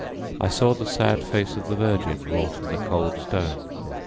I saw the sad face of the Virgin wrought in the cold stone.